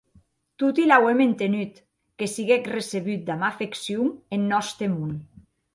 Toti l'auem entenut, que siguec recebut damb afeccion en nòste mon.